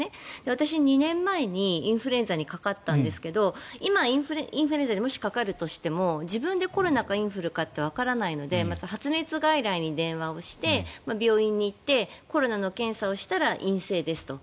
私、２年前にインフルエンザにかかったんですが今、インフルエンザにもしかかるとしても自分でコロナかインフルかってわからないので発熱外来に電話をして病院に行ってコロナの検査をしたら陰性ですと。